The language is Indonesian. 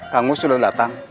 kang mus sudah datang